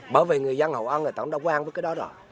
bởi vì người dân hội an người ta cũng đã quá quen với cái đó rồi